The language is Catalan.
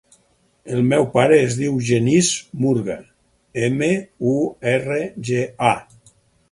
El meu pare es diu Genís Murga: ema, u, erra, ge, a.